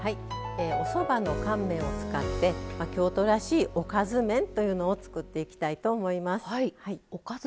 おそばの乾麺を使って京都らしいおかず麺というのを作っていきたいと思います。